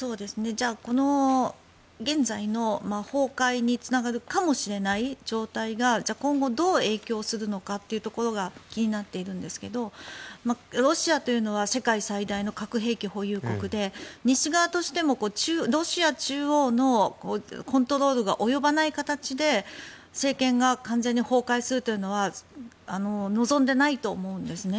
この現在の崩壊につながるかもしれない状態が今後、どう影響するのかというところが気になっているんですけどロシアというのは世界最大の核兵器保有国で西側としてもロシア中央のコントロールが及ばない形で政権が完全に崩壊するというのは望んでないと思うんですね。